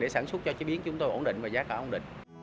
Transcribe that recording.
để sản xuất cho chế biến chúng tôi ổn định và giá cả ổn định